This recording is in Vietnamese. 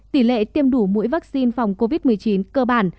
tỷ lệ tiêm đủ mũi vaccine phòng covid một mươi chín cơ bản